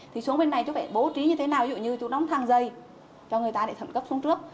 thì xuống bên này chú phải bố trí như thế nào dù như chú đóng thang dây cho người ta để thẩm cấp xuống trước